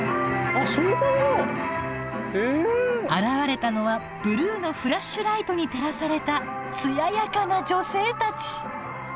現れたのはブルーのフラッシュライトに照らされた艶やかな女性たち！